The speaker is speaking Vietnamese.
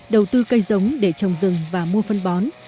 đầu tư cây giống để trồng rừng và mua phân bón